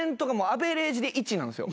１？アベレージで１です。